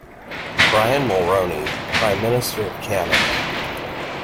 Brian Mulroney, Prime Minister of Canada.